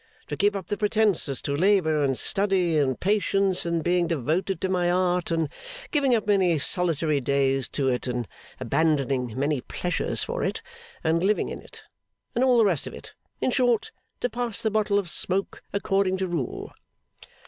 To keep up the pretence as to labour, and study, and patience, and being devoted to my art, and giving up many solitary days to it, and abandoning many pleasures for it, and living in it, and all the rest of it in short, to pass the bottle of smoke according to rule.